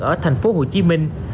ở thành phố hồ chí minh